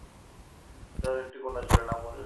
তাদের একটি মাত্র কন্যা ছিল, নাম মঞ্জুরি।